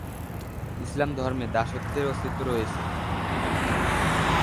ইসলাম ধর্মে দাসত্বের অস্তিত্ব রয়েছে।